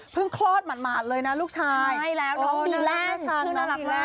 เพิ่งโคลดหมาตเลยน่ะลูกชายใช่แล้วน้องมีล่านชื่อนั่นมากมาก